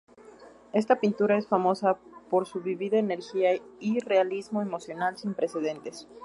Esta pintura es famosa por su vívida energía y realismo emocional sin precedentes.